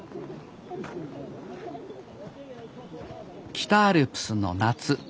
北アルプスの夏。